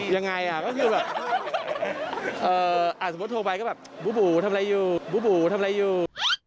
ยังไงก็คือแบบสมมติโทรไปก็แบบบูบูทำอะไรอยู่